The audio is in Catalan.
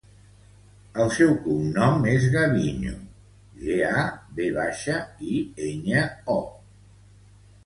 El seu cognom és Gaviño: ge, a, ve baixa, i, enya, o.